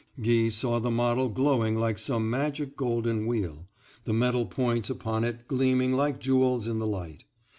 Guy saw the model glowing like some magic golden wheel, the metal points upon it gleaming like jewels in the light.